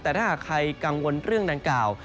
แต่ถ้าหากใครกังวลเรื่องดังกล่าว